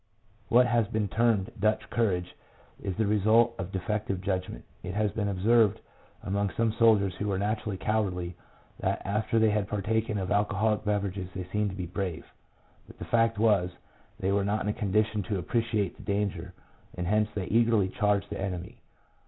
What has been termed "Dutch courage" is the result of defective judgment. It has been observed among some soldiers who were naturally cowardly, that after they had partaken of alcoholic beverages they seemed to be brave ; but the fact was, they were not in a condition to appreciate the danger, and hence they eagerly charged the enemy.